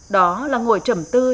đó là ngồi trầm tư